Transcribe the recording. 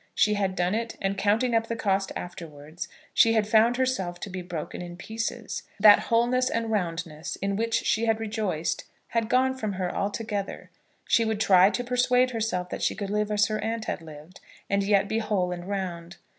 She had done it, and, counting up the cost afterwards, she had found herself to be broken in pieces. That wholeness and roundness, in which she had rejoiced, had gone from her altogether. She would try to persuade herself that she could live as her aunt had lived, and yet be whole and round.